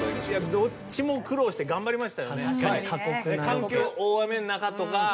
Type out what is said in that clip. どっちも苦労して頑張りました。